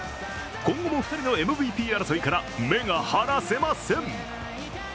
今後も２人のＭＶＰ争いから目が離せません。